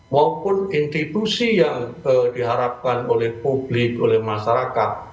maupun institusi yang diharapkan oleh publik oleh masyarakat